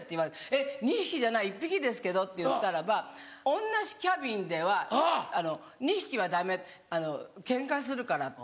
「えっ２匹じゃない１匹ですけど」って言ったらば同じキャビンでは２匹はダメケンカするからって。